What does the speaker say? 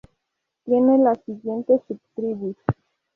Tiene las siguientes subtribus.